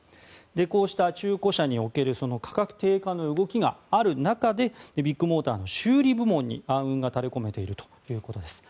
こうした中古車における価格低下の動きがある中でビッグモーターの修理部門に暗雲が垂れ込めているということです。